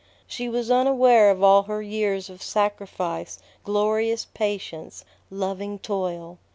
She was unaware of all her years of sacrifice, glorious patience, loving toil.